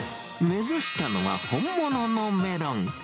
目指したのは、本物のメロン。